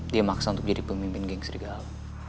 dia maksa untuk jadi pemimpin geng serigal